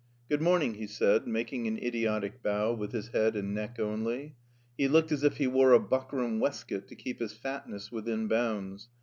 "Good morning," he said, making an idiotic bow with his head and neck only. He looked as if he wore a buckram waistcoat to keep his fatness within bounds.